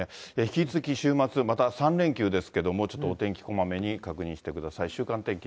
引き続き、週末、また３連休ですけれども、ちょっとお天気こまめに確認してください。